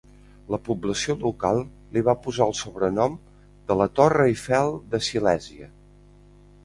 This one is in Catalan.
La població local li va posar el sobrenom de "la Torre Eiffel de Silèsia".